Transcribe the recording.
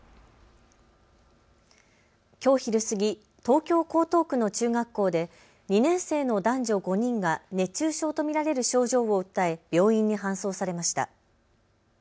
きょう昼過ぎ、東京江東区の中学校で２年生の男女５人が熱中症と見られる症状を訴え病院に搬送されました。